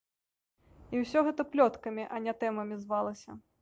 І ўсё гэта плёткамі, а не тэмамі звалася.